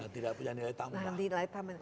tidak punya nilai tambah